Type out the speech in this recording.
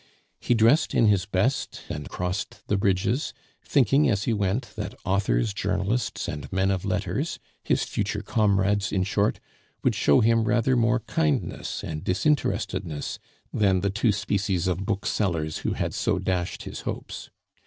He dressed in his best and crossed the bridges, thinking as he went that authors, journalists, and men of letters, his future comrades, in short, would show him rather more kindness and disinterestedness than the two species of booksellers who had so dashed his hopes.